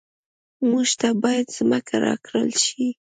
موږ ته باید ځمکه راکړل شي